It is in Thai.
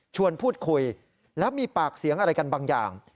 พูดคุยแล้วมีปากเสียงอะไรกันบางอย่าง